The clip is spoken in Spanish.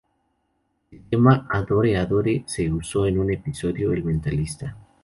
El tema "Adore Adore" se usó en un episodio de "El mentalista".